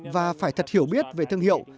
và phải thật hiểu biết về thương hiệu